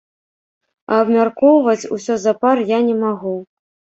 А абмяркоўваць усё запар я не магу.